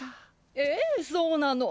ええそうなの。